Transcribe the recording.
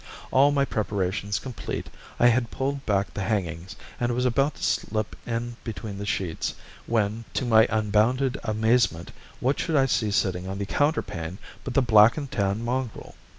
All my preparations complete, I had pulled back the hangings, and was about to slip in between the sheets, when, to my unbounded amazement, what should I see sitting on the counterpane but the black and tan mongrel.